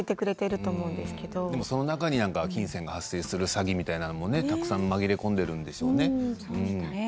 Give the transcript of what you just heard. でもその中に金銭が発生する詐欺みたいなものも、たくさん紛れ込んでいるんでしょうね。